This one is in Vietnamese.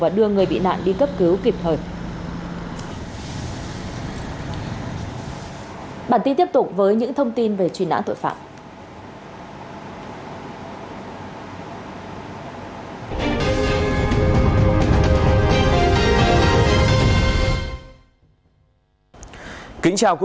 và đưa người bị nạn đi cấp cứu kịp thời